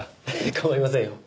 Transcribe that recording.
構いませんよ。